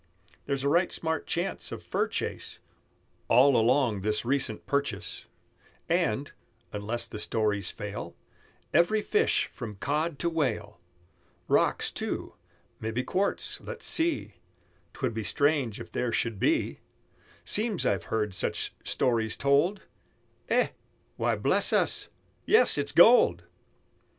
There's a right smart chance for fur chase All along this recent purchase, And, unless the stories fail, Every fish from cod to whale; Rocks, too; mebbe quartz; let's see, 'Twould be strange if there should be, Seems I've heerd such stories told; Eh! why, bless us, yes, it's gold!"